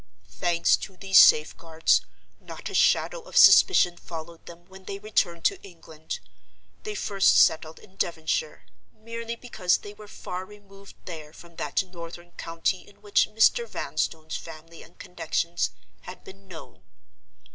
"Thanks to these safeguards, not a shadow of suspicion followed them when they returned to England. They first settled in Devonshire, merely because they were far removed there from that northern county in which Mr. Vanstone's family and connections had been known.